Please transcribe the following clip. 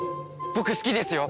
僕好きですよ。